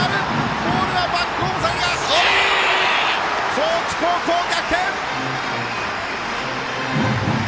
高知高校、逆転！